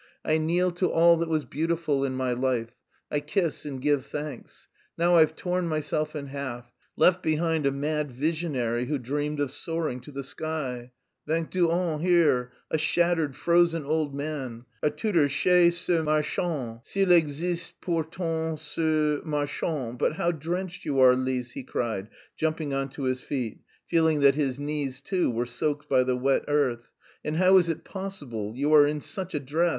"I kneel to all that was beautiful in my life. I kiss and give thanks! Now I've torn myself in half; left behind a mad visionary who dreamed of soaring to the sky. Vingt deux ans, here. A shattered, frozen old man. A tutor chez ce marchand, s'il existe pourtant ce marchand.... But how drenched you are, Lise!" he cried, jumping on to his feet, feeling that his knees too were soaked by the wet earth. "And how is it possible... you are in such a dress...